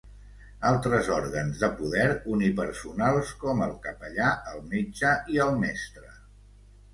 Altres òrgans de poder unipersonals com el capellà, el metge i el mestre.